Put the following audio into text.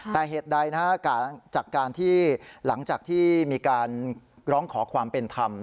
แต่เหตุใดจากการที่หลังจากที่มีการร้องขอความเป็นธรรม